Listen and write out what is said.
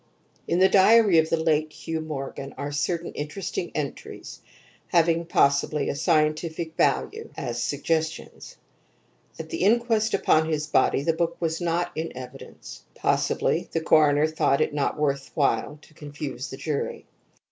IV In the diary of the late Hugh Morgan are certain interesting entries having, possibly, a scientific value as suggestions. At the inquest upon his body the book was not put in evidence; possibly the coroner thought it not worth while to confuse the jury.